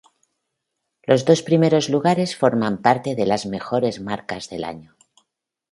Los dos primeros lugares forman parte de las mejores marcas del año.